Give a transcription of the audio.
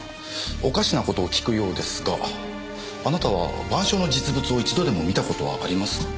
おかしなことを訊くようですがあなたは『晩鐘』の実物を一度でも見たことはありますか？